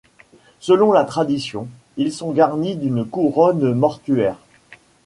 Selon la tradition, ils sont garnis d'une couronne mortuaire.